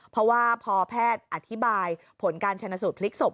เพราะว่าพอแพทย์อธิบายผลการชนะสูตรพลิกศพ